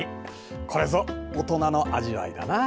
これぞ大人の味わいだなあ。